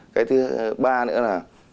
cái thứ ba nữa là